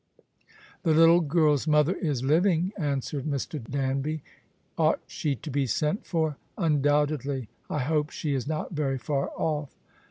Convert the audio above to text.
"The little girl's mother is living," answered Mr. Danby. " Ought she to be sent for ?"" Undoubtedly. I hope she is not very far off."